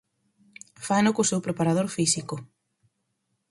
Faino co seu preparador físico.